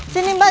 sini mbak sri